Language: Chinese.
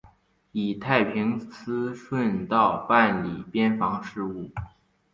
以太平思顺道办理边防事务。